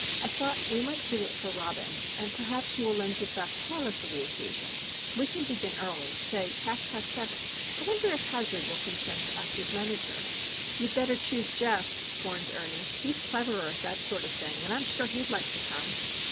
I thought we might give it for Robin, and perhaps you will lend your back parlour for the occasion. We can begin early,—say half past seven. I wonder if Hazard will consent to act as manager?" "You'd better choose Geof," warned Ernie. "He's cleverer at that sort of thing, and I'm sure he'd like to come."